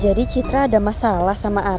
jadi citra ada masalah sama atta